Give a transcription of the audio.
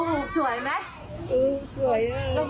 อื้อสวยไหม